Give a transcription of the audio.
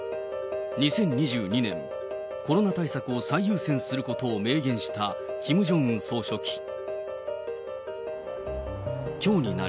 ２０２２年、コロナ対策を最優先することを明言したキム・ジョンウン総書記。